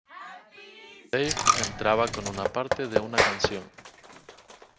Dave entraba con una parte de una canción.